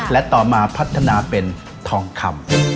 และต่อมาพัฒนาเป็นทองคำ